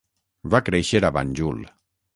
Va créixer a Banjul.